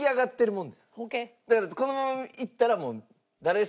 だからこのままいったらもう誰しも。